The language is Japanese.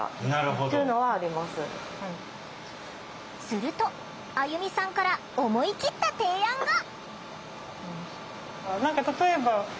するとあゆみさんから思い切った提案が。